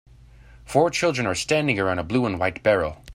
Four children are standing around a blue and white barrel.